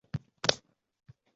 Bitta qarashdayoq tanidim